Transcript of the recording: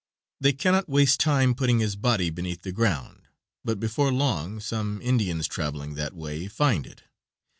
They cannot waste time putting his body beneath the ground, but before long some Indians, traveling that way, find it.